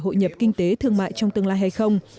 hội nhập kinh tế thương mại trong tương lai hay không